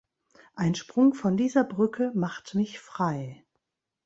Ein Sprung von dieser Brücke macht mich frei.